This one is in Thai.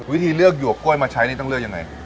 วิธีเลือกหยวกกล้วยมาใช้นี่ต้องเลือกยังไง